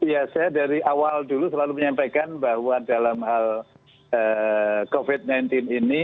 ya saya dari awal dulu selalu menyampaikan bahwa dalam hal covid sembilan belas ini